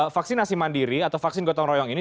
vaksinasi mandiri atau vaksin gotong royong ini